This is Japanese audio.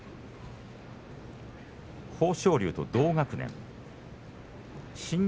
豊昇龍と同学年です。